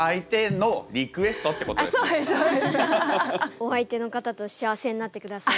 お相手の方と幸せになってください。